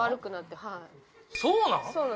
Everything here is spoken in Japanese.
そうなん？